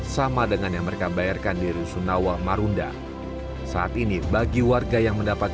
sama dengan yang mereka bayarkan di rusunawa marunda saat ini bagi warga yang mendapat